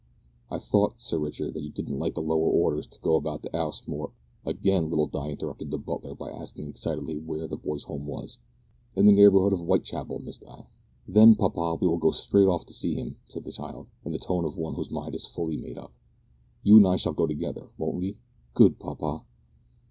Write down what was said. "I thought, Sir Richard, that you didn't like the lower orders to go about the 'ouse more " Again little Di interrupted the butler by asking excitedly where the boy's home was. "In the neighbour'ood of W'itechapel, Miss Di." "Then, papa, we will go straight off to see him," said the child, in the tone of one whose mind is fully made up. "You and I shall go together won't we? good papa!"